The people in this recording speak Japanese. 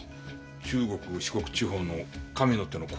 中国・四国地方の神の手の口座か。